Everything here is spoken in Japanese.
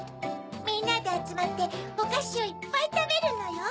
みんなであつまっておかしをいっぱいたべるのよ！